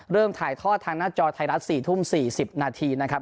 ถ่ายทอดทางหน้าจอไทยรัฐ๔ทุ่ม๔๐นาทีนะครับ